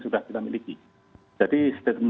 sudah kita miliki jadi statement